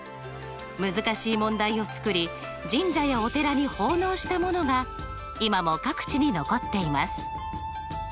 難しい問題を作り神社やお寺に奉納したものが今も各地に残っています。